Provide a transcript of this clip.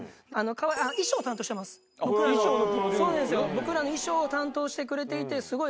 僕らの衣装を担当してくれていてすごい。